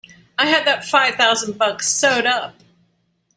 I had that five thousand bucks sewed up!